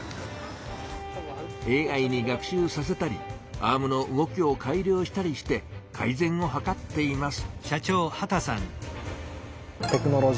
ＡＩに学習させたりアームの動きを改良したりして改ぜんをはかっています。